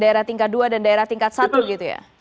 daerah tingkat dua dan daerah tingkat satu gitu ya